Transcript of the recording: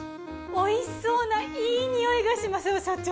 おいしそうないい匂いがしますよ社長。